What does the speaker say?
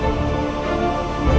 mama gak ada